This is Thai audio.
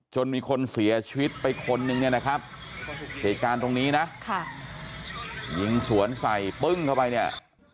จนมีคนเสียชีวิตไปคนนึงเนี่ยนะครับเหตุการณ์ตรงนี้นะยิงสวนใส่ปึ้งเข้าไปเนี่ย